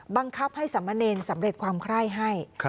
บังคับให้สามเณรสำเร็จความไคร่ให้